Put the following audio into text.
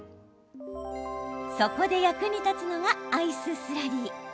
そこで役に立つのがアイススラリー。